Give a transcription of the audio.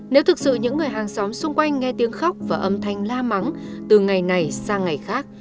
nếu thực sự những người hàng xóm xung quanh nghe tiếng khóc và âm thanh la mắng từ ngày này sang ngày khác